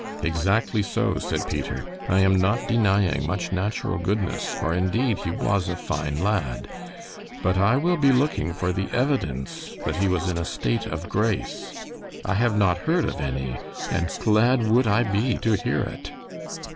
"Exactly so," said Peter. "I am not denying much natural goodness, for indeed he was a fine lad; but I will be looking for the evidence that he was in a state of grace. I have not heard of any, and glad would I be to hear it."